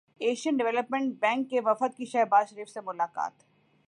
Asian development bank کے وفد کی شہباز شریف سے ملاقات